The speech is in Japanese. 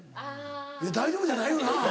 いや大丈夫じゃないよな。